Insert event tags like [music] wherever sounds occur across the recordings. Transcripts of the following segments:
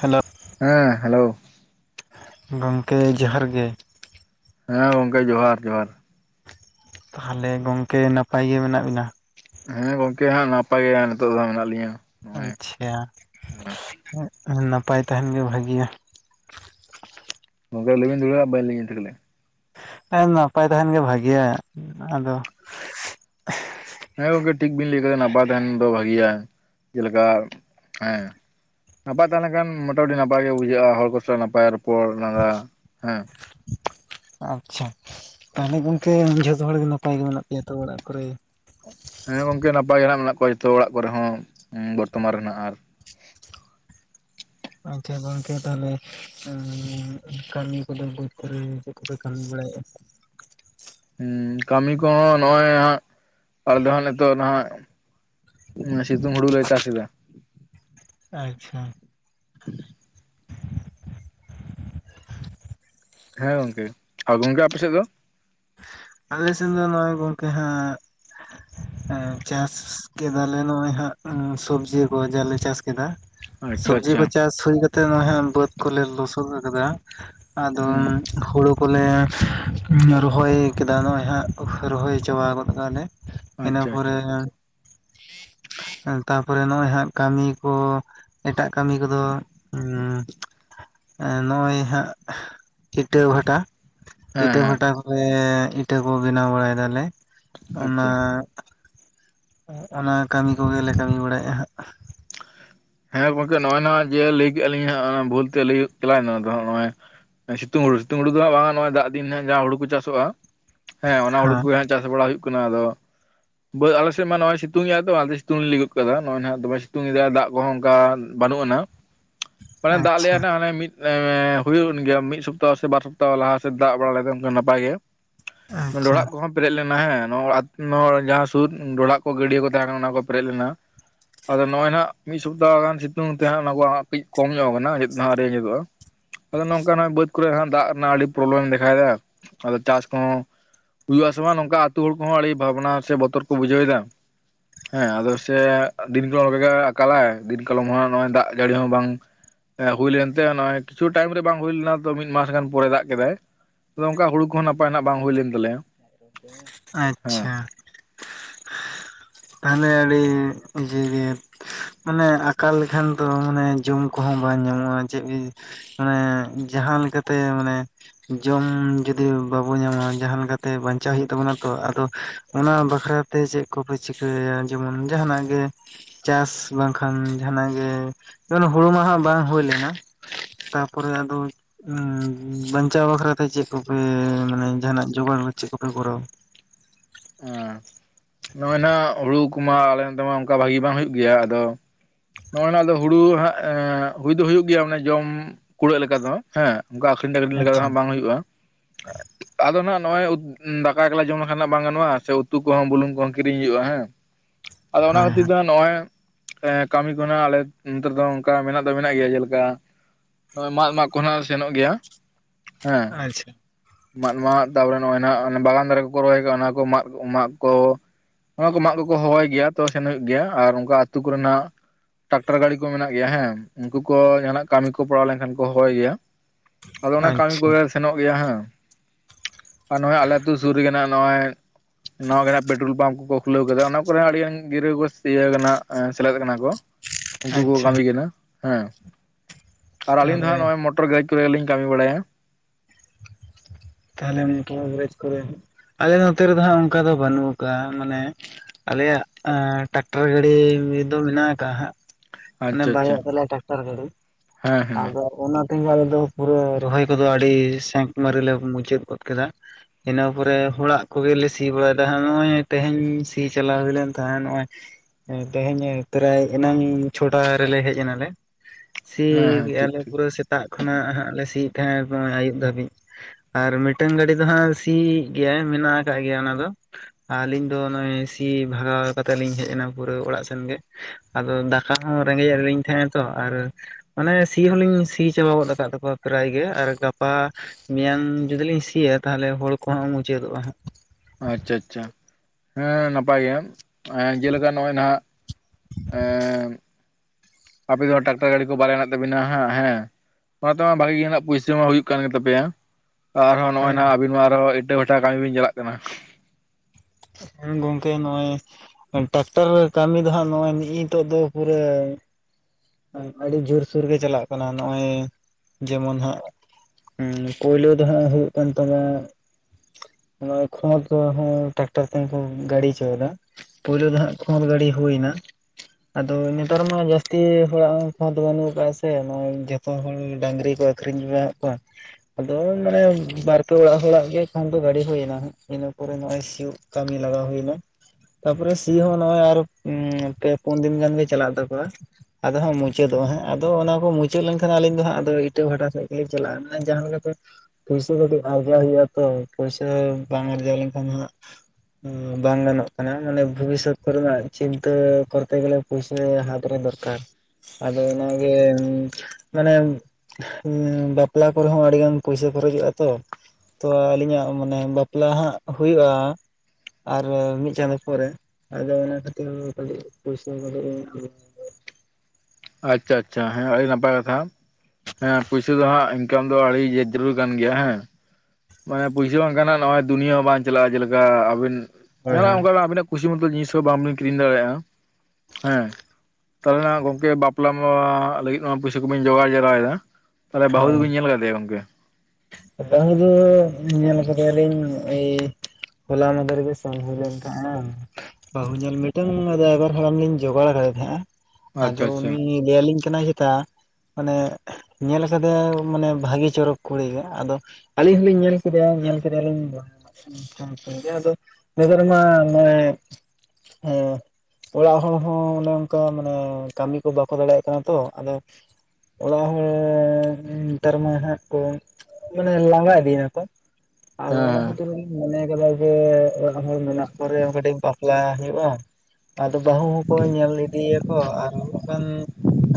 Hello ᱦᱮᱸ hello ᱜᱚᱝᱠᱮ ᱡᱚᱦᱟᱨ ᱜᱮ ᱦᱮᱸ ᱜᱚᱝᱠᱮ ᱡᱚᱦᱟᱨ ᱡᱚᱦᱟᱨ ᱛᱟᱦᱚᱞᱮ ᱜᱚᱝᱠᱮ ᱱᱟᱯᱟᱭ ᱜᱮ ᱢᱮᱱᱟᱜ ᱵᱤᱱᱟ? ᱦᱮᱸ ᱜᱚᱝᱠᱮ ᱦᱟᱸᱜ ᱱᱟᱯᱟᱭ ᱜᱮ ᱱᱤᱛᱚᱜ ᱫᱚ ᱦᱟᱸᱜ ᱢᱮᱱᱟᱜ ᱞᱤᱧᱟᱹ᱾ ᱱᱚᱜᱼᱚᱭ ᱟᱪᱪᱷᱟ ᱱᱟᱯᱟᱭ ᱛᱟᱦᱮᱱ ᱜᱮ ᱵᱷᱟᱜᱤᱭᱟ᱾ [unintelligible] ᱦᱮᱸ ᱱᱟᱯᱟᱭ ᱛᱟᱦᱮᱱ ᱜᱮ ᱵᱷᱟᱜᱮᱤᱭᱟ ᱟᱫᱚ᱾ ᱦᱮᱸ ᱜᱚᱝᱠᱮ ᱴᱷᱤᱠ ᱵᱤᱱ ᱞᱟᱹᱭ ᱟᱠᱟᱫᱟ ᱱᱟᱯᱟᱭ ᱛᱟᱦᱮᱱ ᱫᱚ ᱵᱷᱟᱜᱤᱭᱟ ᱡᱮᱞᱮᱠᱟ ᱦᱮᱸ ᱱᱟᱯᱟᱭ ᱛᱟᱦᱮᱸᱞᱮᱱᱠᱷᱟᱱ ᱢᱚᱴᱟᱢᱩᱴᱤ ᱱᱟᱯᱟᱭ ᱜᱮ ᱵᱩᱡᱷᱟᱹᱜᱼᱟ ᱦᱚᱲ ᱠᱚ ᱥᱟᱸᱣ ᱱᱟᱯᱟᱭ ᱨᱚᱯᱚᱲ ᱞᱟᱸᱫᱟ ᱦᱮᱸ᱾ ᱟᱪᱪᱷᱟ ᱛᱟᱦᱚᱞᱮ ᱜᱚᱝᱠᱮ ᱡᱚᱛᱚ ᱦᱚᱲ ᱜᱮ ᱱᱟᱯᱟᱭ ᱜᱮ ᱢᱮᱱᱟᱜ ᱯᱮᱭᱟ ᱛᱚ ᱚᱲᱟᱜ ᱠᱚᱨᱮ? ᱦᱮᱸ ᱜᱚᱝᱠᱮ ᱱᱟᱯᱟᱭ ᱜᱮ ᱦᱮᱱᱟᱜ ᱢᱮᱱᱟᱜ ᱠᱚᱣᱟ ᱡᱚᱛᱚ ᱚᱲᱟᱜ ᱠᱚᱨᱮ ᱦᱚᱸ ᱵᱚᱨᱛᱚᱢᱟᱱ ᱨᱮ ᱨᱮᱱᱟᱜ ᱟᱨ ᱟᱪᱪᱷᱟ ᱜᱚᱝᱠᱮ ᱛᱟᱦᱚᱞᱮ ᱠᱟᱹᱢᱤ ᱠᱚᱫᱚ ᱵᱩᱫᱽ ᱠᱚᱨᱮ ᱪᱮᱫ ᱠᱚᱯᱮ ᱠᱟᱹᱢᱤ ᱵᱟᱲᱟᱭᱮᱫᱼᱟ ᱦᱩᱸ ᱠᱟᱹᱢᱤ ᱠᱚ ᱱᱚᱜᱼᱚᱭ ᱦᱟᱸᱜ ᱟᱨ ᱫᱚ ᱦᱟᱸᱜ ᱱᱤᱛᱚᱜ ᱱᱟᱦᱟᱸᱜ ᱥᱤᱛᱩᱝ ᱦᱩᱲᱩ ᱞᱮ ᱪᱟᱥ ᱮᱫᱟ ᱟᱪᱪᱷᱟ ᱦᱮᱸ ᱜᱚᱝᱠᱮ ᱟᱨ ᱜᱚᱝᱠᱮ ᱟᱯᱮ ᱥᱮᱫ ᱫᱚ ᱟᱞᱮ ᱥᱮᱱ ᱫᱚ ᱱᱚᱜᱼᱚᱭ ᱜᱚᱝᱠᱮ ᱦᱟᱸᱜ ᱪᱟᱥ ᱠᱮᱫᱟᱞᱮ ᱱᱚᱜᱼᱚᱭ ᱦᱟᱸᱜ ᱥᱚᱵᱽᱡᱤ ᱠᱚ ᱡᱟᱞᱮ ᱪᱟᱥ ᱠᱮᱫᱟ ᱟᱪᱪᱷᱟ ᱥᱚᱵᱽᱡᱤ ᱟᱪᱪᱷᱟ ᱠᱚ ᱪᱟᱥ ᱦᱩᱭ ᱠᱟᱛᱮᱫ ᱱᱚᱜ ᱚᱭ ᱦᱟᱸᱜ ᱵᱟᱹᱫᱽ ᱠᱚᱞᱮ ᱞᱚᱥᱚᱫ ᱠᱟᱫᱟ ᱟᱫᱚ ᱦᱩᱸ ᱦᱩᱲᱩ ᱠᱚᱞᱮ ᱨᱚᱦ ᱨᱚᱦᱚᱭ ᱠᱮᱫᱟ ᱱᱚᱜᱼᱚᱭ ᱦᱟᱸᱜ ᱨᱚᱦᱚᱭ ᱪᱟᱵᱟ ᱜᱚᱫ ᱠᱟᱫᱟ ᱞᱮ ᱤᱱᱟᱹ ᱟᱪᱪᱷᱟ ᱟᱪᱪᱷᱟ ᱯᱚᱨᱮ ᱛᱟᱯᱚᱨᱮ ᱱᱚᱜᱼᱚᱭ ᱦᱟᱸᱜ ᱠᱟᱹᱢᱤ ᱠᱚ ᱮᱴᱟᱜ ᱠᱟᱹᱢᱤ ᱠᱚᱫᱚ ᱱᱚᱜ ᱚᱭ ᱦᱟᱸᱜ ᱤᱴᱟᱹ ᱵᱷᱟᱴᱟ ᱦᱮᱸ ᱤᱴᱟᱹ ᱦᱮᱸ ᱵᱷᱟᱴᱟ ᱠᱚᱨᱮ ᱤᱴᱟᱹ ᱠᱚ ᱵᱮᱱᱟᱣ ᱵᱟᱲᱟᱭᱮᱫᱟᱞᱮ ᱚᱱᱟ ᱟᱪᱪᱷᱟ ᱚᱱᱟ ᱠᱟᱹᱢᱤ ᱠᱚᱜᱮᱞᱮ ᱠᱟᱹᱢᱤ ᱵᱟᱲᱟᱭᱮᱫᱼᱟ ᱦᱟᱸᱜ ᱦᱮᱸ ᱜᱚᱝᱠᱮ ᱱᱚᱜᱼᱚᱭ ᱱᱚᱣᱟ ᱡᱮ ᱞᱟᱹᱭ ᱠᱮᱜᱼᱟ ᱞᱤᱧ ᱦᱟᱸᱜ ᱚᱱᱟ ᱵᱷᱩᱞ ᱛᱮ ᱞᱟᱹᱭ ᱪᱟᱞᱟᱣᱱᱟ ᱱᱚᱜᱼᱚᱭ ᱥᱤᱛᱩᱝ ᱦᱩᱲᱩ ᱥᱤᱛᱩᱝ ᱦᱩᱲᱩ ᱫᱚ ᱦᱟᱸᱜ ᱵᱟᱝ ᱱᱚᱜᱼᱚᱭ ᱫᱟᱜ ᱫᱤᱱ ᱦᱟᱸᱜ ᱡᱟᱦᱟ ᱦᱩᱲᱩ ᱠᱚ ᱪᱟᱥᱚᱜᱼᱟ ᱦᱮᱸ ᱚᱱᱟ ᱦᱩᱲᱩ ᱠᱚᱜᱮᱦᱟᱸᱜ ᱪᱟᱥ ᱵᱟᱲᱟ ᱦᱩᱭᱩᱜ ᱠᱟᱱᱟ ᱟᱫᱚ ᱟᱞᱮᱥᱮᱡ ᱢᱟ ᱱᱚᱜ-ᱚᱭ ᱥᱤᱛᱩᱝ ᱮᱫᱟᱭ ᱛᱚ ᱟᱱᱟᱛᱮ ᱥᱤᱛᱩᱝ ᱞᱤᱧ ᱞᱟᱹᱭ ᱜᱚᱫ ᱠᱟᱫᱟ ᱱᱚᱜᱼᱚᱭ ᱦᱟᱸᱜ ᱫᱚᱢᱮ ᱥᱤᱛᱩᱝ ᱫᱟᱜ ᱠᱚᱦᱚᱸ ᱚᱱᱠᱟ ᱵᱟᱹᱱᱩᱜ ᱟᱱᱟ ᱢᱟᱱᱮ ᱫᱟᱜ ᱞᱮᱭᱟ ᱟᱪᱪᱷᱟ ᱦᱟᱱᱮ ᱢᱤᱫ ᱦᱩᱭᱩᱜ ᱮᱱ ᱜᱮᱭᱟ ᱢᱤᱫ ᱥᱚᱯᱛᱟᱦᱚ ᱥᱮ ᱵᱟᱨ ᱥᱚᱯᱛᱟᱦᱚ ᱞᱟᱦᱟ ᱥᱮᱫ ᱫᱟᱜ ᱵᱟᱲᱟ ᱞᱮᱫᱟᱭ ᱚᱱᱠᱟ ᱱᱟᱯᱟᱭ ᱜᱮ ᱱᱚᱰᱮ ᱟᱪᱪᱷᱟ ᱚᱲᱟᱜ ᱠᱚᱦᱚᱸ ᱯᱮᱨᱮᱡ ᱞᱮᱱᱟ ᱦᱮᱸ ᱱᱚᱣᱟ ᱡᱟᱦᱟᱸ ᱥᱩᱫ ᱰᱚᱰᱷᱟᱜ ᱠᱚ ᱜᱟᱹᱰᱭᱟᱹ ᱠᱚ ᱛᱟᱦᱮᱸ ᱠᱟᱱᱟ ᱚᱱᱟ ᱠᱚ ᱯᱮᱨᱮᱡ ᱞᱮᱱᱟ ᱟᱫᱚ ᱱᱚᱜᱼᱚᱭ ᱱᱦᱟᱜ ᱢᱤᱫ ᱥᱚᱯᱛᱟᱦ ᱜᱟᱱ ᱥᱤᱛᱩᱝ ᱛᱮ ᱦᱟᱸᱜ ᱚᱱᱟ ᱠᱚ ᱠᱟᱹᱡ ᱠᱚᱢ ᱧᱚᱜ ᱟᱠᱟᱱᱟ ᱟᱸᱡᱮᱫ ᱫᱚ ᱦᱟᱸᱜ ᱟᱹᱣᱨᱤ ᱟᱸᱡᱮᱫᱚᱜᱼᱟ ᱟᱫᱚ ᱱᱚᱝᱠᱟ ᱱᱟᱜ ᱵᱟᱹᱫᱽ ᱠᱚᱨᱮ ᱫᱟᱜ ᱨᱮᱱᱟᱜ ᱟᱹᱰᱤ ᱯᱨᱚᱵᱽᱞᱮᱢ ᱫᱮᱠᱷᱟᱭᱮᱫᱟ ᱟᱫᱚ ᱪᱟᱥ ᱠᱚᱦᱚᱸ ᱦᱩᱭᱩᱜᱼᱟ ᱥᱮ ᱵᱟᱝ ᱱᱚᱝᱠᱟ ᱟᱹᱛᱩ ᱦᱚᱲ ᱠᱚᱦᱚᱸ ᱟᱹᱰᱤ ᱵᱷᱟᱵᱽᱱᱟ ᱥᱮ ᱵᱚᱛᱚᱨ ᱠᱚ ᱵᱩᱡᱷᱟᱹᱣ ᱮᱫᱟ ᱦᱮᱸ ᱟᱫᱚ ᱥᱮ ᱫᱤᱱ ᱟᱠᱟᱞᱟᱭ ᱫᱤᱱ ᱠᱟᱞᱚᱢ ᱦᱚᱸ ᱱᱚᱜᱼᱚᱭ ᱫᱟᱜ ᱡᱟᱹᱲᱤ ᱦᱚᱸ ᱵᱟᱝ ᱦᱩᱭ ᱞᱮᱱᱛᱮ ᱱᱚᱜᱼᱚᱭ ᱠᱤᱪᱷᱩ ᱴᱟᱭᱤᱢ ᱨᱮ ᱵᱟᱝ ᱦᱩᱭ ᱞᱮᱱᱟ ᱛᱚ ᱢᱤᱫ ᱢᱟᱥ ᱜᱟᱱ ᱯᱚᱨᱮ ᱫᱟᱜ ᱠᱮᱫᱟᱭ ᱛᱚ ᱚᱱᱠᱟ ᱦᱩᱲᱩ ᱠᱚᱦᱚᱸ ᱱᱟᱯᱟᱭ ᱱᱟᱜ ᱵᱟᱝ ᱦᱩᱭ ᱞᱮᱱ ᱛᱟᱞᱮᱭᱟ ᱦᱮᱸ ᱟᱪᱪᱷᱟ ᱛᱟᱦᱚᱞᱮ ᱟᱹᱰᱤ [inaudible] ᱢᱟᱱᱮ ᱟᱠᱟᱞ ᱞᱮᱠᱷᱟᱱ ᱫᱚ ᱢᱟᱱᱮ ᱡᱚᱢ ᱠᱚᱦᱚᱸ ᱵᱟᱝ ᱧᱟᱢᱚᱜᱼᱟ ᱪᱮᱫ ᱢᱟᱱᱮ ᱡᱟᱦᱟᱸ ᱞᱮᱠᱟᱛᱮ ᱢᱟᱱᱮ ᱡᱚᱢ ᱡᱩᱫᱤ ᱵᱟᱵᱚᱱ ᱧᱟᱢᱟ ᱡᱟᱦᱟᱸ ᱞᱮᱠᱟᱛᱮ ᱵᱟᱧᱪᱟᱣ ᱦᱩᱭᱩᱜ ᱛᱟᱵᱚᱱᱟ ᱛᱚ ᱟᱫᱚ ᱚᱱᱟ ᱵᱟᱠᱷᱨᱟᱛᱮ ᱪᱮᱫ ᱠᱚᱯᱮ ᱪᱤᱠᱟᱹᱭᱟ ᱡᱮᱢᱚᱱ ᱡᱟᱦᱟᱱᱟᱜ ᱜᱮ ᱪᱟᱥ ᱵᱟᱝᱠᱷᱟᱱ ᱡᱟᱦᱟᱸᱱᱟᱜ ᱜᱮ ᱡᱚᱱ ᱦᱩᱲᱩ ᱢᱟᱦᱟᱸ ᱵᱟᱝ ᱦᱩᱭ ᱞᱮᱱᱟ ᱛᱟᱯᱚᱨᱮ ᱟᱫᱚ ᱵᱟᱧᱪᱟᱣ ᱵᱟᱠᱷᱨᱟᱛᱮ ᱪᱮᱫ ᱠᱚᱯᱮ ᱢᱟᱱᱮ ᱡᱟᱦᱟᱱᱟᱜ ᱡᱚᱜᱟᱲ ᱪᱮᱫ ᱠᱚᱯᱮ ᱠᱚᱨᱟᱣᱟ ᱟᱨ [unintelligible] ᱱᱚᱜᱼᱚᱭ ᱱᱟᱜ ᱦᱩᱲᱩ ᱠᱚᱢᱟ ᱟᱞᱮ ᱱᱚᱛᱮ ᱢᱟ ᱚᱱᱠᱟ ᱵᱷᱟᱹᱜᱤ ᱵᱟᱝ ᱦᱩᱭᱩᱜ ᱜᱮᱭᱟ ᱟᱫᱚ ᱱᱚᱭ ᱱᱚᱣᱟ ᱟᱫᱚ ᱦᱩᱲᱩ ᱦᱟᱸᱜ ᱮ ᱦᱩᱭ ᱫᱚ ᱦᱩᱭᱩᱜ ᱜᱮᱭᱟ ᱮ ᱡᱚᱢ ᱠᱩᱲᱟᱹᱜ ᱞᱮᱠᱟ ᱫᱚ ᱦᱮᱸ ᱚᱱᱠᱟ ᱟᱹᱠᱷᱨᱤᱧ ᱫᱟᱠᱨᱤᱧ ᱞᱮᱠᱟ ᱫᱚ ᱟᱪᱪᱷᱟ ᱦᱟᱸᱜ ᱵᱟᱝ ᱦᱩᱭᱩᱜᱼᱟ ᱟᱫᱚ ᱱᱟᱦᱟᱸᱜ ᱱᱚᱜᱼᱚᱭ ᱩᱫ ᱫᱟᱠᱟ ᱮᱠᱞᱟ ᱡᱚᱢ ᱞᱮᱠᱷᱟᱱ ᱦᱟᱸᱜ ᱵᱟᱝ ᱜᱟᱱᱚᱜᱼᱟ ᱩᱛᱩ ᱠᱚᱦᱚᱸ ᱵᱩᱞᱩᱝ ᱠᱚᱦᱚᱸ ᱠᱤᱨᱤᱧ ᱦᱩᱭᱩᱜᱼᱟ ᱦᱮᱸ ᱟᱫᱚ ᱚᱱᱟ ᱦᱳᱭ ᱠᱷᱟᱹᱛᱤᱨ ᱦᱳᱭ ᱛᱮ ᱱᱚᱜᱼᱚᱭ ᱮᱸ ᱠᱟᱹᱢᱤ ᱠᱚᱱᱟᱜ ᱟᱞᱮ ᱱᱮᱛᱮ ᱫᱚ ᱚᱱᱠᱟ ᱢᱮᱱᱟᱜ ᱫᱚ ᱢᱮᱱᱟᱜ ᱜᱮᱭᱟ ᱡᱮᱞᱮᱠᱟ ᱱᱚᱜᱼᱚᱭ ᱢᱟᱜ ᱢᱟᱜᱽ ᱠᱚ ᱟᱸᱜ ᱥᱮᱱᱚᱜ ᱜᱮᱭᱟ ᱦᱮᱸ ᱟᱪᱪᱷᱟ ᱢᱟᱜ ᱢᱟᱜ ᱛᱟᱯᱚᱨᱮ ᱱᱚᱜᱼᱚᱭ ᱱᱟᱜ ᱵᱟᱜᱟᱱ ᱫᱟᱨᱮ ᱠᱚ ᱨᱚᱦᱚᱭ ᱚᱱᱟ ᱠᱚ ᱢᱟᱜ ᱢᱟᱜ ᱠᱚ ᱚᱱᱟ ᱠᱚ ᱢᱟᱜ ᱠᱚᱠᱚ ᱦᱚᱦᱚᱭ ᱜᱮᱭᱟ ᱛᱚ ᱥᱮᱱ ᱦᱩᱭᱩᱜ ᱜᱮᱭᱟ ᱟᱨ ᱚᱱᱠᱟ ᱟᱛᱳ ᱠᱚᱨᱮᱱᱟᱜ ᱴᱨᱟᱠᱴᱟᱨ ᱜᱟᱹᱰᱤ ᱠᱚ ᱢᱮᱱᱟᱜ ᱜᱮᱭᱟ ᱦᱮᱸ ᱩᱱᱠᱩ ᱠᱚ ᱡᱟᱦᱱᱟᱜ ᱠᱟᱹᱢᱤ ᱠᱚ ᱯᱟᱲᱟᱣ ᱞᱮᱱᱠᱷᱟᱱ ᱠᱚ ᱦᱚᱦᱚᱭ ᱜᱮᱭᱟ᱾ ᱟᱫᱚ ᱚᱱᱟ ᱠᱟᱹᱢᱤ ᱟᱪᱪᱷᱟ ᱠᱚᱜᱮ ᱥᱮᱱᱚᱜ ᱜᱮᱭᱟ ᱦᱟᱜ, ᱟᱨ ᱱᱚᱜᱼᱚᱭ ᱟᱞᱮ ᱟᱹᱛᱩ ᱥᱩᱨ ᱨᱮ ᱱᱚᱜᱼᱚᱭ ᱱᱟᱣᱟᱱᱟᱜ ᱯᱮᱴᱨᱳᱞ ᱯᱟᱢᱯ ᱠᱚᱠᱚ ᱠᱷᱩᱞᱟᱹᱣ ᱠᱟᱫᱟ ᱚᱱᱟ ᱠᱚᱨᱮ ᱦᱚᱸ ᱟᱹᱰᱤ ᱜᱟᱱ ᱜᱤᱫᱽᱟᱹ ᱠᱚ ᱤᱭᱟᱹ ᱠᱟᱱᱟ ᱥᱮᱞᱮᱫ ᱠᱟᱱᱟ ᱠᱚ᱾ ᱩᱱᱠᱩ ᱠᱚ ᱟᱪᱪᱷᱟ ᱠᱟᱹᱢᱤ ᱠᱟᱱᱟ ᱦᱮᱸ, ᱟᱨ ᱟᱹᱞᱤᱧ ᱫᱚ ᱛᱟᱦᱚᱞᱮ ᱦᱟᱸᱜ ᱱᱚᱜᱼᱚᱭ ᱢᱚᱴ ᱴᱚᱨ ᱜᱮᱨᱮᱡ ᱠᱚᱨᱮ ᱜᱮᱞᱤᱧ ᱠᱟᱹᱢᱤ ᱵᱟᱲᱟᱭᱟ᱾ ᱛᱟᱦᱞᱮ ᱢᱚᱴᱚᱨ ᱜᱮᱨᱮᱡ ᱠᱚᱨᱮ, ᱟᱞᱮ ᱱᱚᱛᱮ ᱨᱮᱫᱚ ᱦᱟᱜ ᱚᱱᱠᱟ ᱫᱚ ᱵᱟᱹᱱᱩᱜ ᱟᱠᱟᱫᱟ ᱢᱟᱱᱮ ᱟᱞᱮᱭᱟᱜ ᱴᱨᱟᱠᱴᱟᱨ ᱜᱟᱹᱲᱤ ᱫᱚ ᱢᱮᱱᱟᱜ ᱟᱠᱟᱜᱼᱟ ᱦᱟᱸᱜ᱾ ᱢᱟᱱᱮ ᱟᱪᱪᱷᱟ ᱵᱟᱨᱚ ᱟᱪᱪᱷᱟ ᱛᱚᱞᱟ ᱴᱨᱟᱠᱴᱟᱨ ᱜᱟᱹᱲᱤ᱾ ᱦᱮᱸ ᱦᱮᱸ ᱟᱫᱚ ᱚᱱᱟ ᱛᱮᱜᱮ ᱟᱞᱮ ᱫᱚ ᱯᱩᱨᱟᱹ ᱨᱚᱦᱚᱭ ᱠᱚᱫᱚ ᱟᱹᱰᱤ ᱥᱮᱸᱠ ᱢᱟᱹᱨᱮ ᱞᱮ ᱢᱩᱪᱟᱹᱫ ᱜᱚᱫ ᱠᱮᱫᱟ᱾ ᱤᱱᱟᱹ ᱯᱚᱨᱮ ᱦᱚᱲᱟᱜ ᱠᱚᱜᱮᱞᱮ ᱥᱤ ᱵᱟᱲᱟᱭᱮᱫᱟ ᱱᱚᱜᱚᱭ ᱛᱮᱦᱮᱧ ᱥᱤ ᱪᱟᱞᱟᱣ ᱦᱩᱭ ᱞᱮᱱ ᱛᱟᱦᱮᱸᱫ, ᱱᱚᱜᱼᱚᱭ ᱛᱮᱦᱮᱧ ᱯᱨᱟᱭ ᱮᱱᱟᱝ ᱪᱷᱚᱴᱟ ᱨᱮᱞᱮ ᱦᱮᱡ ᱮᱱᱟᱞᱮ᱾ ᱥᱤ ᱦᱮᱸ ᱦᱮᱸ ᱠᱮᱜ ᱴᱷᱤᱠ ᱟᱞᱮ ᱴᱷᱤᱠ ᱯᱩᱨᱟᱹ ᱥᱮᱛᱟᱜ ᱠᱷᱚᱱᱟᱜ ᱦᱟᱸᱜ ᱞᱮ ᱥᱤᱭᱮᱫ ᱛᱟᱦᱮᱸᱫ ᱱᱚᱜᱼ ᱟᱹᱭᱩᱵ ᱫᱷᱟᱹᱵᱤᱡ᱾ ᱟᱨ ᱢᱤᱫᱴᱟᱝ ᱜᱟᱹᱰᱤ ᱫᱚ ᱦᱟᱸᱜ ᱥᱤᱭᱮᱫ ᱜᱮᱭᱟ ᱢᱮᱱᱟᱜ ᱟᱠᱟᱫ ᱜᱮᱭᱟ ᱚᱱᱟ ᱫᱚ᱾ ᱟᱹᱞᱤᱧ ᱫᱚ ᱱᱚᱜᱼᱚᱭ ᱥᱤ ᱵᱷᱟᱜᱟᱣ ᱠᱟᱛᱮᱜ ᱞᱤᱧ ᱦᱮᱡ ᱮᱱᱟ ᱯᱩᱨᱟᱹ ᱚᱲᱟᱜ ᱥᱮᱱᱜᱮ᱾ ᱟᱫᱚ ᱫᱟᱠᱟ ᱦᱚᱸ ᱨᱮᱸᱜᱮᱡ ᱞᱤᱧ ᱛᱟᱦᱮᱸᱱᱟ ᱛᱚ, ᱟᱨ ᱢᱟᱱᱮ ᱥᱤ ᱦᱚᱞᱤᱧ ᱥᱤ ᱪᱟᱵᱟ ᱜᱚᱫ ᱟᱠᱟᱫ ᱛᱟᱠᱚᱣᱟ ᱯᱨᱟᱭ ᱜᱮ, ᱟᱨ ᱜᱟᱯᱟ ᱢᱮᱭᱟᱝ ᱡᱩᱫᱤ ᱞᱤᱧ ᱥᱤᱭᱟ ᱛᱟᱦᱚᱞᱮ ᱦᱚᱲ ᱠᱚᱦᱚᱸ ᱢᱩᱪᱟᱹᱫᱚᱜᱼᱟ ᱦᱟᱸᱜ᱾ ᱟᱪᱪᱷᱟ ᱟᱪᱪᱷᱟ ᱦᱮᱸ ᱱᱟᱯᱟᱭ ᱜᱮ ᱡᱮᱞᱮᱠᱟ ᱱᱚᱜᱼᱚᱭ ᱱᱟᱦᱟᱜ, ᱮᱸ ᱟᱯᱮ ᱫᱚ ᱴᱨᱟᱠᱴᱟᱨ ᱜᱟᱹᱰᱤ ᱠᱚ ᱵᱟᱨᱭᱟ ᱦᱮᱱᱟᱜ ᱛᱟᱵᱤᱱᱟ ᱦᱮᱸ᱾ ᱚᱱᱟ ᱛᱮᱢᱟ ᱵᱷᱟᱜᱮ ᱜᱮ ᱱᱟᱜ ᱯᱚᱭᱥᱟ ᱢᱟ ᱦᱩᱭᱩᱜ ᱠᱟᱱ ᱜᱮᱛᱟᱯᱮᱭᱟ᱾ ᱟᱨᱦᱚᱸ ᱱᱚᱜᱼᱚᱭ ᱦᱟᱸᱜ ᱱᱟ ᱟᱵᱤᱱ ᱢᱟ ᱟᱨᱦᱚᱸ ᱤᱴᱟᱹ ᱵᱷᱟᱴᱟ ᱠᱟᱹᱢᱤ ᱵᱤᱱ ᱪᱟᱞᱟᱜ ᱠᱟᱱᱟ᱾ ᱦᱮᱸ ᱜᱚᱝᱠᱮ ᱱᱚᱜᱼᱚᱭ ᱴᱨᱟᱠᱴᱟᱨ ᱠᱟᱹᱢᱤ ᱫᱚ ᱦᱟᱜ ᱱᱚᱜᱼᱚᱭ ᱱᱤᱛᱚᱜ ᱫᱚ ᱯᱩᱨᱟᱹ ᱟᱹᱰᱤ ᱡᱳᱨᱥᱳᱨ ᱜᱮ ᱪᱟᱞᱟᱜ ᱠᱟᱱᱟ ᱱᱚᱜᱼᱚᱭ, ᱡᱮᱢᱚᱱ ᱦᱟᱸᱜ ᱦᱩᱸ ᱯᱳᱭᱞᱳ ᱫᱚ ᱦᱟᱸᱜ ᱦᱩᱭᱩᱜ ᱠᱟᱱ ᱛᱟᱢᱟ ᱠᱷᱚᱛ ᱦᱚᱸ ᱴᱨᱟᱠᱴᱟᱨ ᱛᱮ ᱠᱚ ᱜᱟᱲᱤ ᱦᱚᱪᱚᱭᱮᱫᱟ᱾ ᱯᱳᱭᱞᱩ ᱫᱚ ᱦᱟᱸᱜ ᱠᱷᱚᱸᱫᱽ ᱜᱟᱹᱰᱤ ᱦᱩᱭ ᱱᱟ, ᱟᱫᱚ ᱱᱮᱛᱟᱨ ᱢᱟ ᱡᱟᱹᱥᱛᱤ ᱦᱚᱲᱟᱜ [unintelligible] ᱚᱱᱠᱟ ᱫᱚ ᱵᱟᱹᱱᱩᱜ ᱟᱠᱟᱫᱟᱼᱟ ᱥᱮ ᱡᱷᱚᱛᱚ ᱦᱚᱲ ᱰᱟᱹᱝᱨᱤ ᱠᱚ ᱟᱠᱷᱨᱤᱧᱫ ᱠᱚᱣᱟ᱾ ᱟᱫᱚ ᱢᱟᱱᱮ ᱵᱟᱨᱯᱮ ᱚᱲᱟᱜ ᱦᱚᱲᱟᱜ ᱜᱮ ᱠᱷᱟᱱ ᱫᱚ ᱜᱟᱹᱰᱤ ᱦᱩᱭᱮᱱᱟ, ᱤᱱᱟᱹ ᱯᱚᱨᱮ ᱱᱚᱜ ᱚᱭ ᱥᱤᱭᱳᱜ ᱠᱟᱹᱢᱤ ᱞᱟᱜᱟᱣ ᱦᱩᱭᱱᱟ᱾ ᱛᱟᱨᱯᱚᱨᱮ ᱥᱤ ᱦᱚᱸ ᱱᱚᱜᱚᱭ ᱟᱨ ᱯᱮ ᱯᱩᱱ ᱫᱤᱱ ᱜᱟᱱ ᱪᱟᱞᱟᱜ ᱛᱟᱠᱚᱣᱟ᱾ ᱟᱫᱚ ᱦᱟᱸᱜ ᱢᱩᱪᱟᱹᱫᱚᱜᱼᱟ ᱦᱟᱜ ᱟᱫᱚ ᱚᱱᱟ ᱠᱚ ᱢᱩᱪᱟᱹᱫ ᱞᱮᱱᱠᱷᱟᱱ ᱟᱹᱞᱤᱧ ᱫᱚ ᱦᱟᱸᱜ ᱟᱫᱚ ᱤᱴᱟᱹ ᱵᱷᱟᱴᱟ ᱥᱮᱫ ᱜᱮᱞᱤᱧ ᱪᱟᱞᱟᱜᱼᱟ, ᱢᱟᱱᱮ ᱡᱟᱦᱟᱸ ᱞᱮᱠᱟᱛᱮ ᱯᱩᱭᱥᱟᱹ ᱠᱟᱹᱴᱤᱡ ᱟᱨᱡᱟᱣ ᱦᱩᱭᱩᱜᱼᱟ ᱛᱚ, ᱯᱚᱭᱥᱟᱹ ᱵᱟᱝ ᱟᱨᱡᱟᱣ ᱞᱮᱱᱠᱷᱟᱱ ᱦᱟᱸᱜ᱾ ᱵᱟᱝ ᱜᱟᱱᱚᱜ ᱠᱟᱱᱟ, ᱢᱟᱱᱮ ᱵᱷᱚᱵᱤᱥᱥᱚᱛ ᱠᱚᱨᱮᱱᱟᱜ ᱪᱤᱱᱛᱟᱹ ᱠᱚᱨᱛᱮ ᱜᱮᱞᱮ ᱯᱚᱭᱥᱟ ᱦᱟᱛᱨᱮ ᱫᱚᱨᱠᱟᱨ ᱟᱫᱚ ᱚᱱᱟᱜᱮ ᱢᱟᱱᱮ ᱵᱟᱯᱞᱟ ᱠᱚᱨᱮ ᱦᱚᱸ ᱟᱹᱰᱤ ᱜᱟᱱ ᱯᱩᱭᱥᱟ ᱠᱷᱚᱨᱚᱪᱚᱜᱼᱟ ᱛᱚ᱾ ᱛᱚ ᱟᱹᱞᱤᱧᱟᱜ ᱢᱟᱱᱮ ᱵᱟᱯᱞᱟ ᱦᱟᱸᱜ ᱦᱩᱭᱩᱼᱟ᱾ ᱟᱨ ᱢᱤᱫ ᱪᱟᱸᱫᱚ ᱯᱚᱨᱮ ᱟᱫᱚ ᱚᱱᱟ ᱠᱷᱟᱹᱛᱤᱨ ᱠᱟᱹᱴᱤᱡ ᱯᱚᱭᱥᱟ ᱠᱟᱹᱴᱤᱡ ᱤᱧ ᱟᱪᱪᱷᱟ ᱟᱪᱪᱷᱟ ᱦᱮᱸ ᱟᱹᱰᱤ ᱱᱟᱯᱟᱭ ᱠᱟᱛᱷᱟ᱾ ᱦᱮᱸ ᱯᱩᱭᱥᱟᱹ ᱫᱚ ᱦᱟᱸᱜ ᱤᱱᱠᱟᱢ ᱫᱚ ᱟᱹᱰᱤ ᱡᱟᱹᱨᱩᱲ ᱠᱟᱱ ᱜᱮᱭᱟ ᱦᱮᱸ᱾ ᱢᱟᱱᱮ ᱯᱩᱭᱥᱟ ᱵᱟᱝ ᱠᱟᱱᱟ ᱱᱚᱜᱼᱟ ᱫᱩᱱᱭᱟᱹ ᱦᱚᱸ ᱵᱟᱝ ᱪᱟᱞᱟᱜᱼᱟ᱾ ᱡᱮᱞᱮᱠᱟ ᱟᱵᱤᱱ ᱦᱳᱭ ᱡᱟᱦᱟᱱᱟᱜ ᱚᱱᱠᱟᱱᱟᱜ ᱟᱵᱤᱱᱟᱜ ᱠᱩᱥᱤ ᱢᱚᱛᱚ ᱡᱤᱱᱤᱥ ᱦᱚᱸ ᱵᱟᱝᱵᱤᱱ ᱠᱤᱨᱤᱧ ᱫᱟᱲᱮᱭᱟᱜᱼᱟ, ᱦᱮᱸ ᱛᱟᱦᱚᱞᱮᱱᱟ ᱜᱚᱢᱠᱮ ᱵᱟᱠ ᱵᱟᱯᱞᱟ ᱞᱟᱹᱜᱤᱫ ᱱᱚᱣᱟ ᱯᱩᱭᱥᱟᱹ ᱠᱚᱤᱧ ᱡᱚᱜᱟᱲ ᱡᱟᱜᱟᱣ ᱮᱫᱟ ᱛᱟᱦᱚᱞᱮ ᱵᱟᱹᱦᱩ ᱦᱳᱭ ᱫᱚᱵᱮᱱ ᱧᱮᱞ ᱠᱟᱫᱮᱭᱟ ᱜᱚᱝᱠᱮ? ᱧᱮᱞ ᱟᱠᱟᱚᱫᱮᱭᱟᱟᱞᱤᱧ ᱮᱭ ᱦᱚᱞᱟ ᱢᱟᱫᱷᱮᱨ ᱜᱮ ᱥᱮᱱ ᱦᱩᱭᱞᱮᱱ ᱛᱟᱸᱦᱮ ᱮ᱾ ᱵᱟᱹᱦᱩ ᱧᱮᱞ ᱢᱤᱫᱴᱟᱝ ᱨᱟᱭᱵᱟᱨ ᱦᱟᱲᱟᱢ ᱞᱤᱧ ᱡᱚᱜᱽᱟᱲ ᱟᱠᱟᱫᱮ ᱛᱟᱦᱮᱸ-ᱟ᱾ ᱟᱫᱚ ᱟᱪᱪᱷᱟ ᱟᱪᱪᱷᱟ ᱩᱱᱤ ᱞᱟᱹᱭᱟᱞᱤᱧ ᱠᱟᱱᱟ ᱪᱮᱛᱟ ᱢᱟᱱᱮ ᱧᱮᱞ ᱟᱫᱚ ᱢᱟᱱᱮ ᱵᱷᱟᱜᱤ ᱪᱚᱨᱚᱠ ᱠᱩᱲᱤ ᱜᱮ, ᱟᱫᱚ ᱟᱹᱞᱤᱧ ᱦᱚᱞᱤᱧ ᱧᱮᱞ ᱠᱮᱫᱮᱭᱟ ᱧᱮᱞ ᱠᱮᱫᱮᱭᱟ ᱞᱤᱧ [unintelligible] ᱚᱲᱟᱜ ᱦᱚᱲ ᱦᱚᱸ ᱚᱱᱮ ᱚᱱᱠᱟ ᱢᱟᱱᱮ ᱠᱟᱹᱢᱤ ᱠᱚ ᱵᱟᱠᱚ ᱫᱟᱲᱮᱭᱟᱜ ᱠᱟᱱᱟ ᱛᱚ, ᱟᱫᱚ ᱚᱲᱟᱜ ᱦᱮᱸ ᱱᱮᱛᱟᱨ ᱢᱟ ᱦᱟᱸᱜ ᱠᱚ ᱢᱟᱱᱮ ᱞᱟᱸᱜᱟ ᱤᱫᱤᱭᱮᱱᱟᱠᱚ ᱟᱫᱚ ᱦᱮᱸ ᱚᱱᱟ ᱦᱮᱸ ᱠᱷᱟᱛᱤᱨ ᱢᱚᱱᱮ ᱟᱠᱟᱫᱟ ᱡᱮ ᱚᱲᱟᱜ ᱦᱚᱲ ᱢᱮᱱᱟᱜ ᱠᱚᱨᱮ ᱠᱟᱹᱴᱤᱡ ᱵᱟᱯᱞᱟ ᱦᱩᱭᱩᱜᱼᱟ ᱾ ᱟᱫᱚ ᱵᱟᱹᱦᱩ ᱦᱚᱸᱠᱚ ᱧᱮᱞ ᱤᱫᱤᱭᱮᱭᱟᱠᱚ ᱟᱨ ᱚᱱᱠᱟ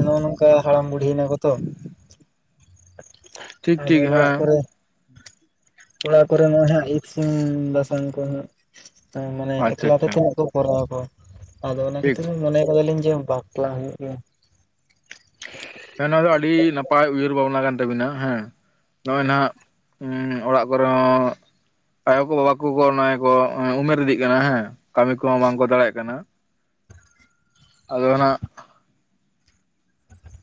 ᱱᱚᱜᱼᱚ ᱱᱚᱝᱠᱟ ᱦᱟᱲᱟᱢ ᱵᱩᱰᱦᱤ ᱮᱱᱟ ᱠᱚ ᱛᱚ ᱾ ᱴᱷᱤᱠ ᱟᱨ ᱴᱷᱤᱠ ᱚᱲᱟᱜ ᱦᱮᱸ ᱠᱚᱨᱮ ᱚᱲᱟ ᱠᱚᱨᱮ ᱢᱟ ᱦᱟᱸᱜ ᱤᱥᱤᱱ ᱵᱟᱥᱟᱝ ᱠᱚ ᱦᱟᱸᱜ ᱢᱟᱱᱮ ᱟᱪᱪᱷᱟ ᱮᱠᱞᱟᱛᱮ ᱟᱪᱪᱷᱟ ᱛᱤᱱᱟᱹᱜ ᱠᱚ ᱠᱚᱨᱟᱣᱟ ᱟᱠᱚ ᱟᱫᱚ ᱚᱱᱟ ᱴᱷᱤᱠ ᱠᱷᱟᱹᱛᱤᱨ ᱢᱚᱱᱮ ᱠᱟᱫᱟᱞᱤᱧ ᱡᱮ ᱵᱟ ᱵᱟᱯᱞᱟ ᱦᱩᱭᱩᱜ ᱜᱮᱭᱟ ᱾ ᱦᱮᱸ ᱱᱚᱣᱟ ᱫᱚ ᱟᱹᱰᱤ ᱱᱟᱯᱟᱭ ᱩᱭᱦᱟᱹᱨ ᱵᱷᱟᱵᱽᱱᱟ ᱠᱟᱱ ᱛᱟᱵᱤᱱᱟ ᱦᱮᱸ ᱾ ᱱᱚᱜᱼᱚᱭ ᱱᱟᱜ ᱚᱲᱟᱜ ᱠᱚᱨᱮ ᱦᱚᱸ ᱾ ᱟᱭᱳ ᱠᱚ ᱵᱟᱵᱟ ᱠᱚ ᱱᱚᱭ ᱠᱚ ᱩᱢᱮᱨ ᱤᱫᱤᱜ ᱠᱟᱱᱟ ᱦᱮᱸ ᱠᱟᱹᱢᱤ ᱠᱚᱦᱚᱸ ᱵᱟᱝ ᱠᱚ ᱫᱟᱲᱮᱭᱟᱜ ᱠᱟᱱᱟ ᱾ ᱟᱫᱚ ᱱᱟᱜ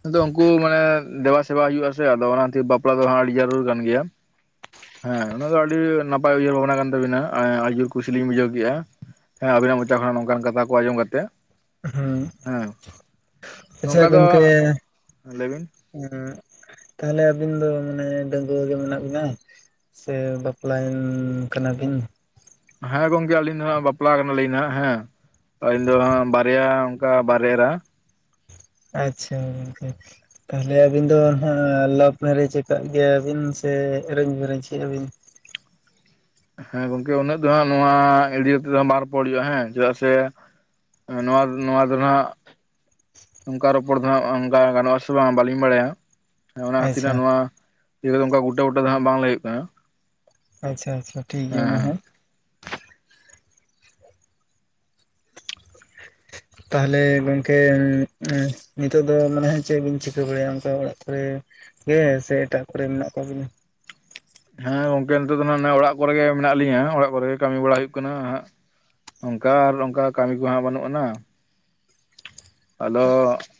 ᱟᱫᱚ ᱩᱱᱠᱩ ᱢᱟᱱᱮ ᱫᱮᱵᱟ ᱥᱮᱵᱟ ᱦᱩᱭᱩ ᱼᱟ ᱥᱮ ᱟᱫᱚ ᱚᱱᱟ ᱛᱮ ᱵᱟᱯᱞᱟ ᱫᱚ ᱟᱹᱰᱤ ᱡᱟᱹᱨᱩᱲ ᱠᱟᱱ ᱜᱮᱭᱟ ᱾ ᱦᱮᱸ ᱩᱱᱟᱹᱜ ᱫᱚ ᱟᱹᱰᱤ ᱱᱟᱯᱟᱭ ᱩᱭᱦᱟᱹᱨ ᱵᱷᱟᱵᱱᱟ ᱠᱟᱱ ᱛᱟᱵᱤᱱᱟ ᱟᱹᱰᱤ ᱡᱳᱨ ᱠᱩᱥᱤ ᱞᱤᱧ ᱵᱩᱡᱷᱟᱹᱣ ᱠᱮᱼᱟ ᱾ ᱦᱮᱸ ᱟᱵᱤᱱᱟᱜ ᱢᱚᱪᱟ ᱠᱷᱚᱱᱟᱜ ᱱᱚᱝᱠᱟᱱ ᱠᱟᱛᱷᱟ ᱠᱚ ᱟᱸᱡᱚᱢ ᱠᱟᱛᱮᱫ ᱦᱩᱸ ᱟᱪᱪᱷᱟ ᱱᱚᱝᱠᱟ ᱫᱚ ᱜᱚᱝᱠᱮ ᱞᱟᱹᱭ ᱵᱤᱱ ᱦᱩᱸ ᱛᱟᱦᱚᱞᱮ ᱟᱹᱵᱤᱱ ᱫᱚ ᱢᱟᱱᱮ ᱰᱟᱹᱜᱩᱣᱟᱹ ᱜᱮ ᱢᱮᱱᱟᱜ ᱵᱤᱱᱟ ᱥᱮ ᱵᱟᱯᱞᱟᱭᱮᱱ ᱠᱟᱱᱟᱵᱤᱱ ᱦᱮᱸ ᱜᱚᱝᱠᱮ ᱟᱞᱤᱧ ᱫᱚ ᱦᱟᱜ ᱵᱟᱯᱞᱟ ᱠᱟᱱᱟᱞᱤᱧ ᱦᱟᱜ ᱦᱮᱸ ᱟᱹᱞᱤᱧ ᱫᱚ ᱦᱟ ᱵᱟᱨᱭᱟ ᱠᱟ ᱵᱟᱨᱮᱨᱟ ᱟᱪᱪᱷᱟ ᱛᱟᱦᱚᱞᱮ ᱟᱹᱵᱤᱱ ᱫᱚ ᱱᱟᱜ ᱞᱟᱵᱷ ᱢᱮᱨᱮᱡᱽ ᱟᱠᱟ ᱜᱮᱭᱟ ᱵᱤᱱ ᱥᱮ ᱮᱨᱮᱧ ᱢᱮᱨᱮᱧ ᱠᱮᱼᱟ ᱵᱤᱱ? ᱦᱮᱸ ᱜᱚᱝᱠᱮ ᱩᱱᱟᱹᱜ ᱫᱚ ᱦᱟᱜ ᱱᱚᱣᱟ ᱮᱲᱤᱭᱛᱮ ᱫᱚ ᱵᱟᱝ ᱨᱚᱯᱚᱲ ᱦᱩᱭᱩᱜᱼᱟ ᱦᱮᱸ ᱪᱮᱫᱟᱜ ᱥᱮ ᱱᱚᱣᱟ ᱱᱚᱣᱟ ᱫᱚ ᱱᱟᱦᱟᱜ ᱚᱱᱠᱟ ᱨᱚᱯᱚᱲ ᱫᱚ ᱦᱟᱸᱜ ᱚᱱᱠᱟ ᱜᱟᱱᱚᱜ ᱟᱥᱮ ᱵᱟᱝ ᱵᱟᱹᱞᱤᱧ ᱵᱟᱲᱟᱭᱟ ᱾ ᱚᱱᱟ ᱛᱤᱱᱟᱹᱜ ᱟᱪᱪᱷᱟ ᱱᱚᱣᱟ ᱜᱩᱴᱟᱹ ᱵᱩᱴᱟᱹ ᱫᱚ ᱦᱟᱸᱜ ᱵᱟᱝ ᱞᱟᱹᱭᱟᱹᱜ ᱠᱟᱱᱟ ᱾ ᱟᱪᱪᱷᱟ ᱟᱪᱪᱷᱟ ᱴᱷᱤᱠ ᱜᱮᱭᱟ ᱢᱟ ᱦᱮᱸ ᱾ ᱛᱟᱦᱚᱞᱮ ᱜᱚᱝᱠᱮ ᱱᱤᱛᱚᱜ ᱫᱚ ᱢᱟᱱᱮ ᱪᱮᱫ ᱵᱤᱱ ᱪᱤᱠᱟᱹ ᱵᱟᱲᱟᱭᱟ ᱚᱱᱠᱟ ᱚᱲᱟᱜ ᱠᱚᱨᱮ ᱦᱮᱸ ᱥᱮ ᱮᱴᱟᱜ ᱠᱚᱨᱮ ᱢᱮᱱᱟᱜ ᱠᱚᱣᱟᱵᱮᱱᱟ? ᱦᱮᱸ ᱜᱚᱝᱠᱮ ᱱᱤᱛᱚᱜ ᱫᱚ ᱦᱟᱜ ᱚᱲᱟᱜ ᱠᱚᱨᱮ ᱜᱮ ᱢᱮᱱᱟᱜ ᱞᱤᱧᱟᱹ ᱚᱲᱟᱜ ᱠᱚᱨᱮ ᱜᱮ ᱠᱟᱹᱢᱤ ᱵᱟᱲᱟ ᱦᱩᱭᱩᱜ ᱠᱟᱱᱟ ᱦᱟᱜ ᱾ ᱚᱱᱠᱟ ᱟᱨ ᱚᱱᱠᱟ ᱠᱟᱹᱢᱤ ᱠᱚᱦᱟᱸᱜ ᱵᱟᱹᱱᱩᱜ ᱟᱱᱟ ᱾ [inaudible] ᱟᱫᱚ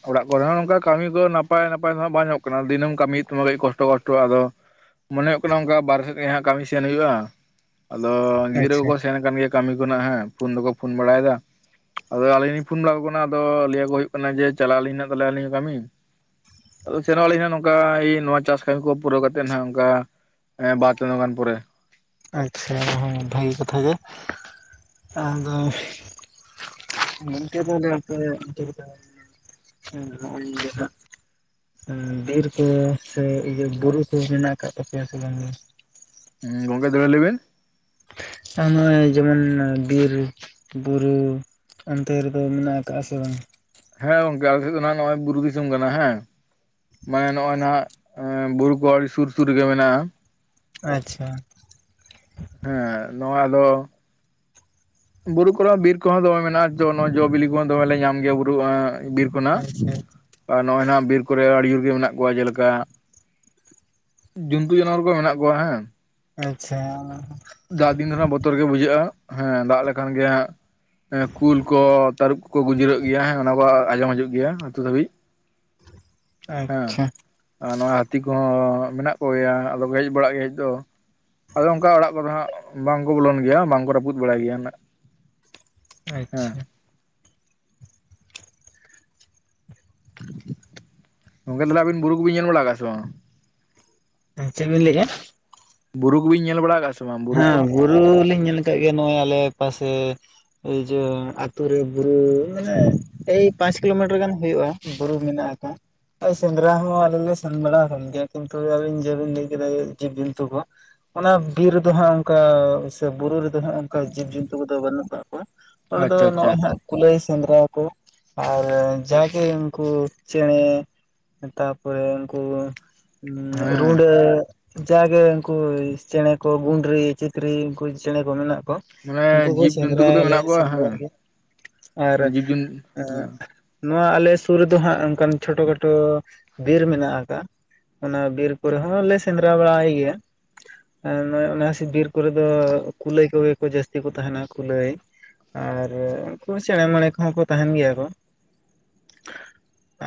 ᱚᱸᱲᱟᱜ ᱠᱚᱨᱮ ᱦᱚᱸ ᱱᱚᱝᱠᱟ ᱠᱟᱹᱢᱤ ᱫᱚ ᱱᱟᱯᱟᱭ ᱱᱟᱯᱟᱭ ᱫᱚ ᱦᱟᱹᱜ ᱵᱟᱝ ᱧᱟᱢᱚᱜ ᱠᱟᱱᱟ ᱫᱤᱱᱟᱹᱢ ᱠᱟᱹᱢᱤ ᱦᱩᱭᱩᱜ ᱛᱟᱢᱟ ᱠᱟᱹᱴᱤᱡ ᱠᱚᱥᱴᱚ ᱠᱚᱥᱴᱚ ᱟᱫᱚ ᱢᱚᱱᱮ ᱦᱩᱭᱩᱜ ᱠᱟᱱᱟ ᱚᱱᱠᱟ ᱵᱟᱨᱦᱮᱸ ᱥᱮᱫ ᱜᱮ ᱦᱟᱹᱜ ᱠᱟᱹᱢᱤ ᱥᱮᱱ ᱦᱩᱭᱩᱜᱼᱟ ᱟᱫᱚ ᱜᱤᱫᱽᱨᱟᱹ ᱟᱪᱪᱷᱟ ᱠᱚᱠᱚ ᱥᱮᱱ ᱠᱟᱱᱟ ᱠᱟᱱ ᱜᱮᱭᱟ ᱠᱟᱹᱢᱤ ᱠᱷᱚᱱᱟᱜ ᱦᱮᱸ ᱯᱷᱳᱱ ᱫᱚᱠᱚ ᱯᱷᱳᱱ ᱵᱟᱲᱟᱭᱮᱫᱟ ᱾ ᱟᱫᱚ ᱟᱹᱞᱤᱧ ᱞᱤᱧ ᱯᱷᱳᱱ ᱵᱟᱲᱟ ᱟᱠᱚ ᱠᱟᱱᱟ ᱟᱫᱚ ᱞᱟᱹᱭ ᱟᱠᱚ ᱦᱩᱭᱩᱜ ᱠᱟᱱᱟ ᱡᱮ ᱪᱟᱞᱟᱜ ᱟᱹᱞᱤᱧ ᱦᱟᱹᱜ ᱟᱹᱞᱤᱧ ᱦᱚᱸ ᱠᱟᱹᱢᱤ ᱾ ᱟᱫᱚ ᱥᱮᱱᱚ ᱟᱹᱞᱤᱧ ᱦᱟᱹᱜ ᱱᱚᱝᱠᱟ ᱱᱚᱣᱟ ᱪᱟᱥ ᱠᱟᱹᱢᱤ ᱠᱚ ᱯᱩᱨᱟᱹᱣ ᱠᱟᱛᱮᱫ ᱦᱟᱹᱜ ᱱᱚᱝᱠᱟ ᱦᱮᱸ ᱵᱟᱨ ᱪᱟᱸᱫᱳ ᱜᱟᱱ ᱯᱚᱨᱮ ᱾ ᱟᱪᱪᱷᱟ ᱵᱷᱟᱹᱜᱤ ᱠᱟᱛᱷᱟ ᱜᱮ ᱟᱫᱚ [inaudible] ᱵᱤᱨᱠᱩ ᱥᱮ ᱤᱭᱟᱹ ᱵᱩᱨᱩ ᱠᱚ ᱢᱮᱱᱟᱜ ᱟᱠᱟᱫ ᱛᱟᱯᱮᱭᱟ ᱥᱮ ᱵᱟᱝ? ᱦᱮᱸ ᱜᱚᱝᱠᱮ ᱫᱚᱵᱮ ᱞᱟᱹᱭ ᱵᱮᱱ ᱾ ᱟᱨ ᱱᱚᱜᱼᱚᱭ ᱡᱮᱢᱚᱱ ᱵᱤᱨ ᱵᱩᱨᱩ ᱚᱱᱛᱮ ᱨᱮᱫᱚ ᱢᱮᱱᱟᱜ ᱟᱠᱟᱫᱟ ᱥᱮ ᱵᱟᱝ? ᱦᱮᱸ ᱜᱚᱝᱠᱮ [unintelligible] ᱫᱚ ᱱᱚᱜᱼᱚᱭ ᱵᱩᱨᱩ ᱫᱤᱥᱚᱢ ᱠᱟᱱᱟ ᱦᱮᱸ ᱢᱟᱱᱮ ᱱᱚᱜᱼᱚᱭ ᱱᱟᱦᱟᱜ ᱵᱩᱨᱩ ᱠᱚ ᱟᱹᱰᱤ ᱥᱩᱨ ᱥᱩᱨ ᱨᱮᱜᱮ ᱢᱮᱱᱟᱜᱼᱟ ᱟᱪᱪᱷᱟ ᱦᱮᱸ ᱱᱚᱣᱟ ᱫᱚ ᱵᱩᱨᱩ ᱠᱚᱨᱮ ᱵᱤᱨ ᱠᱚᱦᱚᱸ ᱫᱚᱢᱮ ᱢᱮᱱᱟᱜᱼᱟ ᱡᱚ ᱵᱤᱞᱤ ᱠᱚᱦᱚᱸ ᱫᱚᱢᱮ ᱞᱮ ᱧᱟᱢ ᱜᱮᱭᱟ ᱵᱩᱨᱩ ᱵᱤᱨ ᱠᱷᱚᱱᱟᱜ ᱟᱪᱪᱷᱟ ᱟᱨ ᱱᱚᱜᱱᱜ ᱱᱚᱣᱟ ᱵᱤᱨ ᱠᱚᱨᱮ ᱟᱹᱰᱤ ᱡᱳᱨ ᱜᱮ ᱢᱮᱱᱟᱜ ᱠᱚᱣᱟ ᱡᱮᱞᱮᱠᱟ ᱡᱩᱱᱛᱩ ᱡᱟᱱᱣᱟᱹᱨ ᱠᱚ ᱢᱮᱱᱟᱜ ᱠᱚᱣᱟ ᱦᱮᱸ ᱟᱪᱪᱷᱟ ᱫᱟᱜ ᱫᱤᱱ ᱫᱚ ᱱᱟᱜ [unintelligible] ᱵᱚᱛᱚᱨ ᱜᱮ ᱵᱩᱡᱷᱟᱹᱜᱼᱟ ᱦᱮᱸ ᱫᱟᱹᱜ ᱞᱮᱠᱷᱟᱱ ᱜᱮ ᱦᱸ ᱠᱩᱞ ᱠᱚ ᱛᱟᱹᱨᱩᱵ ᱠᱚᱠᱚ ᱜᱩᱡᱤᱨᱟᱹᱜ ᱜᱮᱭᱟ ᱦᱮᱸ ᱚᱱᱟ ᱠᱚ ᱟᱸᱡᱚᱢ ᱦᱤᱡᱩᱜ ᱜᱮᱭᱟ ᱟᱹᱛᱩ ᱫᱷᱟᱹᱵᱤᱡ ᱟᱪᱪᱷᱟ ᱟᱨ ᱱᱚᱣᱟ ᱦᱟᱹᱛᱤ ᱠᱚᱦᱚᱸ ᱢᱮᱱᱟᱜ ᱠᱚᱜᱮᱭᱟ ᱟᱫᱚ ᱠᱚ ᱦᱮᱡ ᱵᱟᱲᱟᱜ ᱜᱮᱭᱟ ᱦᱮᱡ ᱫᱚ ᱟᱫᱚ ᱚᱱᱠᱟ ᱚᱸᱲᱟᱜ ᱠᱚᱫᱚ ᱦᱟᱹᱜ ᱵᱟᱝᱠᱚ ᱵᱚᱞᱚᱱ ᱜᱮᱭᱟ ᱵᱟᱝᱠᱚ ᱨᱟᱹᱯᱩᱫ ᱵᱟᱲᱟᱭ ᱜᱮᱭᱟ ᱱᱜ ᱟᱪᱪᱷᱟ ᱜᱚᱝᱠᱮ [unintelligible] ᱟᱹᱵᱤᱱ ᱵᱩᱨᱩ ᱠᱚᱵᱤᱱ ᱧᱮᱞ ᱵᱟᱲᱟ ᱟᱠᱟᱫᱟ ᱥᱮ ᱵᱟᱝ? ᱦᱮᱸ ᱪᱮᱫ ᱵᱤᱱ ᱞᱟᱹᱭᱮᱜᱼᱟ? ᱵᱩᱨᱩ ᱠᱚᱵᱤᱱ ᱧᱮᱞ ᱵᱟᱲᱟ ᱟᱠᱟᱫ ᱥᱮ ᱵᱟᱝ ᱵᱩᱨᱩ ᱠᱚ ᱦᱮᱸ ᱵᱩᱨᱩᱻ ᱞᱤᱧ ᱧᱮᱞ ᱟᱠᱟᱫ ᱜᱮᱭᱟ ᱱᱚᱜᱼᱚᱭ ᱟᱞᱮ ᱯᱟᱥᱮ ᱟᱹᱡᱮ ᱟᱹᱛᱩ ᱨᱮ ᱵᱩᱨᱩ ᱢᱟᱱᱮ ᱮᱭ ᱯᱟᱸᱪ ᱠᱤᱞᱳᱢᱤᱴᱟᱨ ᱜᱟᱱ ᱦᱩᱭᱩᱜᱼᱟ ᱵᱩᱨᱩ ᱢᱮᱱᱟᱜ ᱟᱠᱟ [unintelligible] ᱥᱮᱸᱫᱽᱨᱟ ᱦᱚᱸ ᱟᱞᱮ ᱞᱮ ᱥᱮᱱ ᱵᱟᱲᱟ ᱟᱠᱟᱱ ᱜᱮᱭᱟ ᱠᱤᱱᱛᱩ ᱟᱹᱞᱤᱱ ᱡᱮᱵᱤᱱ ᱞᱟᱹᱭ ᱠᱮᱫᱟ ᱡᱮ ᱡᱤᱵᱽ ᱡᱚᱱᱛᱩ ᱠᱚ ᱚᱱᱟ ᱵᱤᱨ ᱨᱮᱫᱚ ᱦᱟᱸᱜ ᱚᱱᱠᱟ ᱥᱮ ᱵᱩᱨᱩ ᱨᱮᱫᱚ ᱦᱟᱸᱜ ᱚᱱᱠᱟ ᱡᱤᱵᱽ-ᱡᱚᱱᱛᱩ ᱠᱚᱫᱚ ᱵᱟᱹᱱᱩᱜ ᱠᱟᱜ ᱠᱚᱣᱟ ᱟᱞᱮ ᱫᱚ ᱟᱪᱪᱷᱟ ᱟᱪᱪᱷᱟ ᱱᱚᱜᱼᱚᱭ ᱦᱟᱹᱜ ᱠᱩᱞᱟᱹᱭ ᱥᱮᱸᱫᱽᱨᱟ ᱠᱚ ᱟᱨ ᱡᱟᱜᱮ ᱩᱱᱠᱩ ᱪᱮᱸᱬᱮ ᱛᱟᱯᱚᱨᱮ ᱩᱱᱠᱩ ᱦᱮᱸ ᱨᱩᱸᱰᱟᱹ ᱡᱟᱜᱮ ᱩᱱᱠᱩ ᱪᱮᱸᱬᱮ ᱠᱚ ᱜᱩᱸᱰᱨᱤ ᱪᱤᱛᱨᱤ ᱩᱱᱠᱩ ᱪᱮᱸᱬᱮ ᱠᱚ ᱢᱮᱱᱟᱜ ᱠᱚ ᱩᱱᱠᱩ ᱢᱟᱱᱮ ᱠᱚ ᱡᱤᱵᱽ ᱡᱚᱱᱛᱩ ᱥᱮᱸᱫᱽᱨᱟ ᱠᱚᱫᱚ ᱞᱮ ᱢᱮᱱᱟᱜ ᱠᱚᱣᱟ ᱥᱮᱱ ᱵᱟᱲᱟᱜ ᱜᱮᱭᱟ ᱦᱮᱸ ᱟᱨ ᱡᱤᱵᱽ ᱡᱚᱱ ᱮᱸ ᱦᱮᱸ ᱱᱚᱣᱟ ᱟᱞᱮ ᱥᱩᱨ ᱨᱮᱫᱚ ᱦᱟᱸᱜ ᱚᱱᱠᱟᱱ ᱪᱷᱳᱴᱳ ᱠᱷᱟᱴᱳ ᱵᱤᱨ ᱢᱮᱱᱟᱜ ᱟᱠᱟᱫᱼᱟ ᱚᱱᱟ ᱵᱤᱨ ᱠᱚᱨᱮ ᱦᱚᱸ ᱞᱮ ᱥᱮᱸᱫᱽᱨᱟ ᱵᱟᱲᱟᱭ ᱜᱮᱭᱟ ᱟᱨ ᱱᱚᱭᱥᱤ ᱚᱱᱟ ᱵᱤᱨ ᱠᱚᱨᱮ ᱫᱚ ᱠᱩᱞᱟᱹᱭ ᱠᱚᱜᱮ ᱠᱚ ᱡᱟᱹᱥᱛᱤ ᱠᱚ ᱛᱟᱦᱮᱸᱱᱟ ᱠᱩᱞᱟᱹᱭ ᱟᱨ ᱩᱱᱠᱩ ᱪᱮ‍ᱸᱬᱮ ᱢᱮᱸᱬᱮ ᱠᱚᱦᱚᱸ ᱠᱚ ᱛᱟᱦᱮᱸᱱ ᱜᱮᱭᱟ ᱠᱚ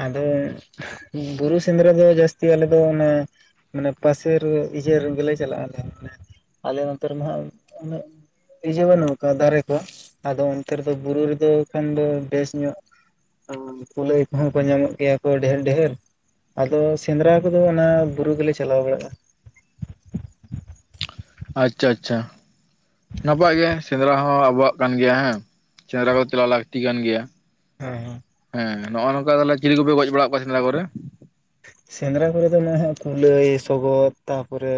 ᱟᱫᱚ ᱵᱩᱨᱩ ᱥᱮᱸᱫᱽᱨᱟ ᱫᱚ ᱡᱟᱹᱥᱛᱤ ᱟᱞᱮ ᱫᱚ ᱚᱱᱮ ᱯᱟᱥᱮᱨ ᱤᱭᱟᱹ ᱨᱮᱜᱮᱞᱮ ᱪᱟᱞᱟᱜᱼᱟ ᱟᱞᱮ ᱱᱚᱛᱮᱨ ᱢᱟ ᱱᱟᱦᱜ ᱩᱱᱟᱜ ᱤᱭᱟᱹ ᱵᱟᱹᱱᱩᱜᱠᱟᱼᱟ ᱫᱟᱨᱮ ᱠᱚ ᱟᱫᱚ ᱚᱱᱛᱮ ᱨᱮᱫᱚ ᱵᱩᱨᱩ ᱨᱮᱫᱚ ᱠᱷᱟᱱ ᱫᱚ ᱵᱮᱥ ᱧᱚᱜ ᱠᱩᱞᱟᱹᱭ ᱠᱚᱦᱚᱸ ᱠᱚ ᱧᱟᱢᱚᱜ ᱜᱮᱭᱟ ᱠᱚ ᱰᱷᱮᱨ ᱰᱷᱮᱨ ᱟᱫᱚ ᱥᱮᱸᱫᱽᱨᱟ ᱠᱚᱫᱚ ᱚᱱᱟ ᱵᱩᱨᱩ ᱜᱮᱞᱮ ᱪᱟᱞᱟᱣ ᱵᱟᱲᱟᱜᱼᱟ ᱟᱪᱪᱷᱟ ᱟᱪᱪᱷᱟ ᱱᱟᱯᱟᱭ ᱜᱮ ᱥᱮᱸᱫᱽᱨᱟ ᱦᱚᱸ ᱟᱵᱚᱣᱟᱜ ᱠᱟᱱ ᱜᱮᱭᱟ ᱦᱮᱸ ᱥᱮᱸᱫᱽᱨᱟ ᱫᱚ ᱪᱞᱟᱣ ᱞᱟᱹᱠᱛᱤ ᱠᱟᱱ ᱜᱮᱭᱟ ᱦᱮᱸ ᱦᱮᱸ ᱦᱮᱸ ᱱᱚᱜᱼᱚᱭ ᱱᱚᱝᱠᱟ ᱛᱟᱦᱮ ᱪᱤᱞᱤ ᱠᱚᱯᱮ ᱜᱚᱡ ᱵᱟᱲᱟᱜ ᱠᱚᱣᱟ ᱥᱮᱸᱫᱽᱞᱟ ᱠᱚᱨᱮ ᱥᱮᱸᱫᱽᱨᱟ ᱠᱚᱨᱮᱫ ᱫᱚ ᱱᱚᱜᱚᱭ ᱠᱩᱞᱟᱹᱭ ᱥᱚᱜᱚᱫ ᱛᱟᱯᱚᱨᱮ